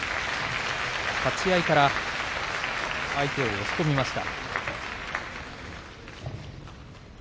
立ち合いから相手を押し込みました。